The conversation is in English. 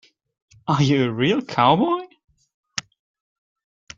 Are you a real cowboy?